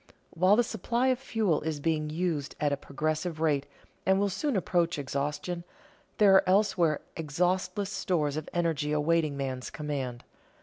_ While the supply of fuel is being used at a progressive rate and will soon approach exhaustion, there are elsewhere exhaustless stores of energy awaiting man's command.